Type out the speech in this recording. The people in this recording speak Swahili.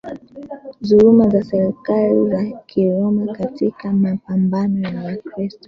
dhuluma za serikali ya Kiroma Katika mapambano hayo Wakristo